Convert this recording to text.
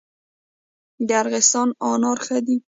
د ارغستان انار ښه دي